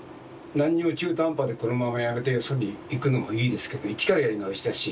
何にも中途半端でこのまま辞めてよそに行くのもいいですけど一からやり直しだし。